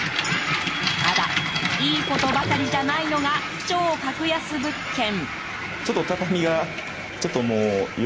ただいいことばかりじゃないのが超格安物件。